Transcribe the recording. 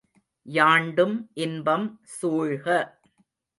யாண்டும் இன்பம் சூழ்க!